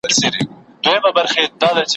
تله جومات ته بله ډله د زلميانو `